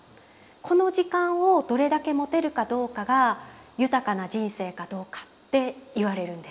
この時間をどれだけ持てるかどうかが豊かな人生かどうかって言われるんです。